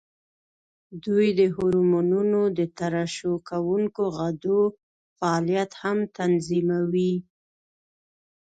دوی د هورمونونو د ترشح کوونکو غدو فعالیت هم تنظیموي.